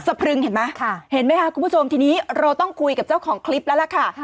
พรึงเห็นไหมค่ะเห็นไหมคะคุณผู้ชมทีนี้เราต้องคุยกับเจ้าของคลิปแล้วล่ะค่ะ